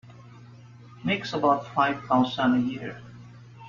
Makes about five thousand a year.